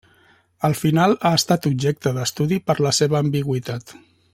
El final ha estat objecte d'estudi per la seva ambigüitat.